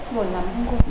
buồn lắm không cô